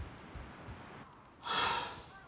はあ。